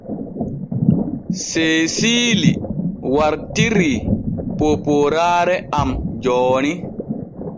Seesiili wartirii poopooraare am jooni.